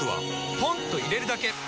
ポンと入れるだけ！